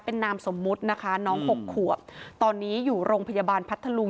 เป็นนามสมมุตินะคะน้องหกขวบตอนนี้อยู่โรงพยาบาลพัทธลุง